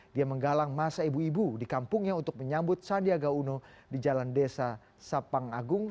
dia menggalang masa ibu ibu di kampungnya untuk menyambut sandiaga uno di jalan desa sapang agung